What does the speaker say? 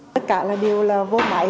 tất cả là điều là vô máy